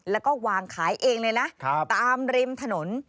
แล้วก็วางขายเองเลยนะตามริมถนน